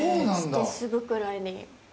してすぐくらいに。